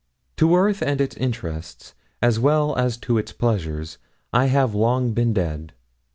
To earth and its interests, as well as to its pleasures, I have long been dead.